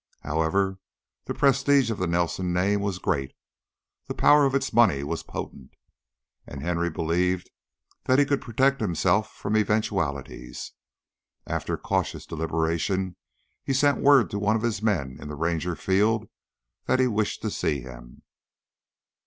However, the prestige of the Nelson name was great, the power of its money was potent, and Henry believed that he could protect himself from eventualities. After cautious deliberation he sent word to one of his men in the Ranger field that he wished to see him.